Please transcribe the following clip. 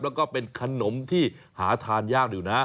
แล้วก็เป็นขนมที่หาทานยากอยู่นะ